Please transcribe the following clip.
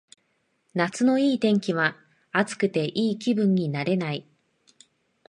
夏のいい天気は暑くていい気分になれない